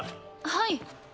はい。